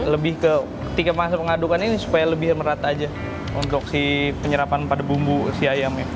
lebih ke ketika masuk ngadukan ini supaya lebih merata aja untuk si penyerapan pada bumbu si ayamnya